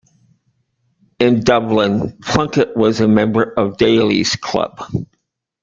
In Dublin, Plunket was a member of Daly's Club.